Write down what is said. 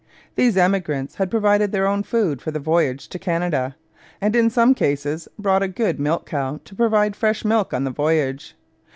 These emigrants had provided their own food for the voyage to Canada, and in some cases brought a good milch cow to provide fresh milk on the voyage.